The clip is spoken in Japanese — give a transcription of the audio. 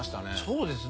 そうですね。